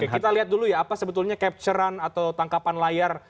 kita lihat dulu ya apa sebetulnya capture an atau tangkapan layar